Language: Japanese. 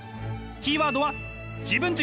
キーワードは自分軸！